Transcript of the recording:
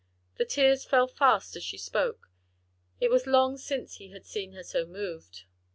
The tears fell fast as she spoke. It was long since he had seen her so moved.